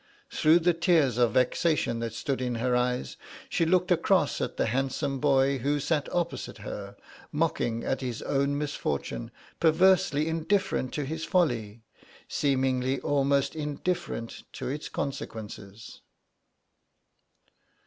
Through the tears of vexation that stood in her eyes, she looked across at the handsome boy who sat opposite her, mocking at his own misfortune, perversely indifferent to his folly, seemingly almost indifferent to its consequences.